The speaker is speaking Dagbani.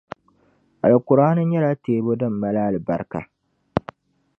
Alkur’aani nyɛla teebu din mali alibaraka.